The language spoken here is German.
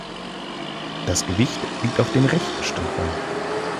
Das Gewicht liegt auf dem rechten Standbein.